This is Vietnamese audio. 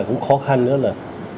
cũng khó khăn nữa là